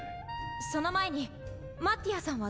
その前にマッティアさんは大丈夫？